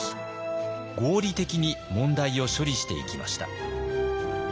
合理的に問題を処理していきました。